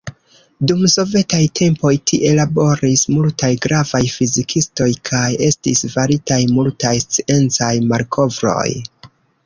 Dum sovetaj tempoj tie laboris multaj gravaj fizikistoj kaj estis faritaj multaj sciencaj malkovroj.